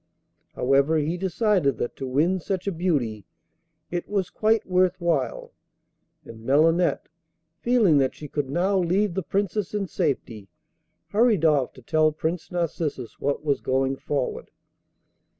However, he decided that to win such a beauty it was quite worth while; and Melinette, feeling that she could now leave the Princess in safety, hurried off to tell Prince Narcissus what was going forward.